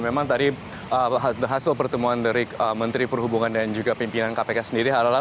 memang tadi hasil pertemuan dari menteri perhubungan dan juga pimpinan kpk sendiri adalah